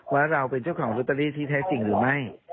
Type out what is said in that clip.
ว่าเราเป็นเจ้าของโรตเตอรี่ที่แท้จริงหรือไม่